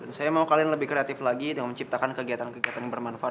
dan saya mau kalian lebih kreatif lagi dengan menciptakan kegiatan kegiatan yang bermanfaat